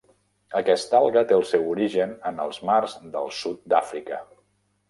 Aquesta alga té el seu origen en els mars del sud d'Àfrica.